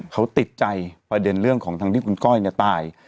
เขาติดใจประเด็นเรื่องของทางที่คุณก้อยเนี่ยตาย